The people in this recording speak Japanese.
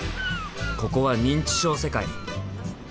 ここは認知症世界！